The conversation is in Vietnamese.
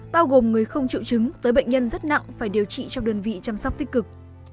bao gồm người không triệu chứng tới bệnh nhân rất nặng phải điều trị trong đơn vị chăm sóc tích cực